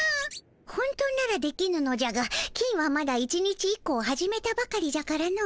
本当ならできぬのじゃが金はまだ１日１個を始めたばかりじゃからの。